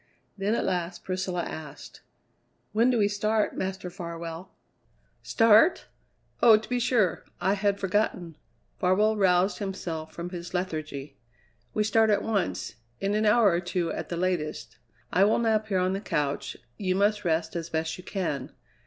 Then at last Priscilla asked: "When do we start, Master Farwell?" "Start? Oh, to be sure. I had forgotten." Farwell roused himself from his lethargy. "We start at once; in an hour or two at the latest. I will nap here on the couch; you must rest as best you can.